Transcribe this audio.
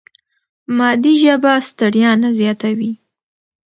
مادي ژبه ستړیا نه زیاتوي.